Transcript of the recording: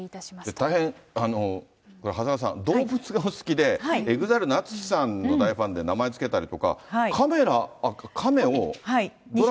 大変これ、長谷川さん、動物がお好きで、ＥＸＩＬＥのＡＴＳＵＳＨＩさんの大ファンで名前付けたりとか、２匹。